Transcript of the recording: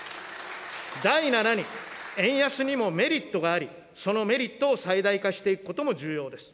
第七に、円安にもメリットがあり、そのメリットを最大化していくことも重要です。